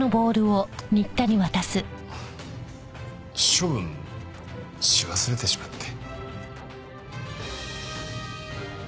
処分し忘れてしまって。